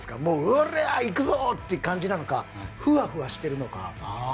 おら、いくぞ！っていう感じなのかふわふわしてるのか。